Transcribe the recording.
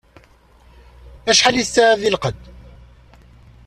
Acḥal tesɛiḍ di lqedd?